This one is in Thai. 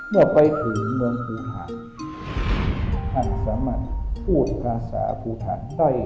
เมื่อไปถึงเมืองภูฐานท่านสามารถพูดภาษาภูฐานใต้